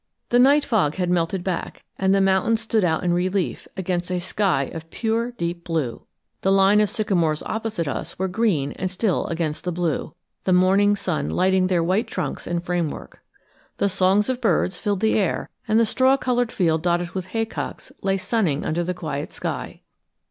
The night fog had melted back and the mountains stood out in relief against a sky of pure deep blue. The line of sycamores opposite us were green and still against the blue; the morning sun lighting their white trunks and framework. The songs of birds filled the air, and the straw colored field dotted with haycocks lay sunning under the quiet sky.